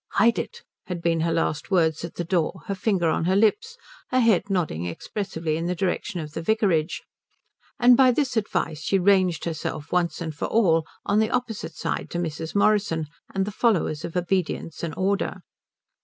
"Hide it," had been her last words at the door, her finger on her lips, her head nodding expressively in the direction of the vicarage; and by this advice she ranged herself once and for all on the opposite side to Mrs. Morrison and the followers of obedience and order.